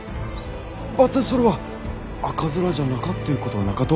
ばってんそれは赤面じゃなかということはなかと！？